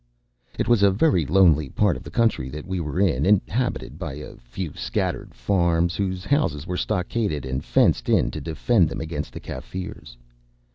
It was a very lonely part of the country that we were in, inhabited by a few scattered farms, whose houses were stockaded and fenced in to defend them against the Kaffirs.